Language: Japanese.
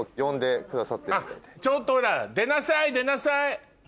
ちょっとほら出なさい出なさい。